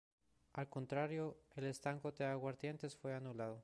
Al contrario, el estanco de aguardientes fue anulado.